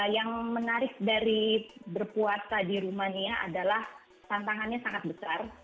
yang menarik dari berpuasa di rumania adalah tantangannya sangat besar